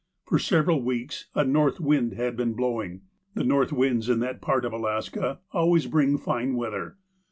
For several weeks a north wind had been blowing. The north winds in that part of Alaska always bring fine weather.